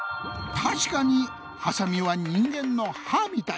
確かにはさみは人間の歯みたい。